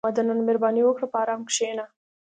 • د جومات دننه مهرباني وکړه، په ارام کښېنه.